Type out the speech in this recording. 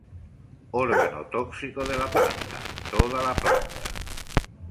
Órgano tóxico de la planta: toda la planta.